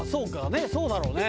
ねっそうだろうね。